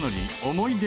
思い出